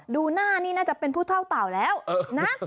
ดูหน้านี่น่าจะเป็นผู้เท่าเต่าแล้วนะ